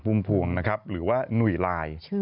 ุ่มพวงนะครับหรือว่าหนุ่ยลาย